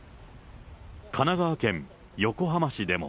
神奈川県横浜市でも。